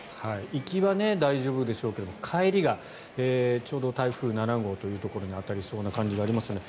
行きは大丈夫でしょうが帰りがちょうど台風７号というところに当たりそうな感じがありますので。